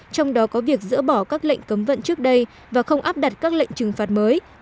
trong đó có việc dỡ bỏ các lệnh cấm vận trước đây và không áp đặt các lệnh trừng phạt mới